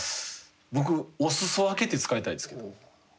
僕「おすそわけ」って使いたいですけど。